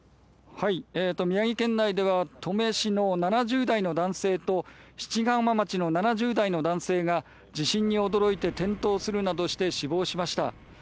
宮城県内では登米市の７０代の男性と七ヶ浜町の７０代の男性が地震に驚いて転倒するなどして死亡しました。